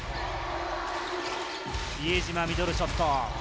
比江島のミドルショット。